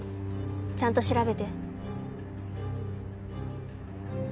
ちゃんと調べて。